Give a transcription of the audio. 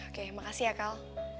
oke makasih ya kal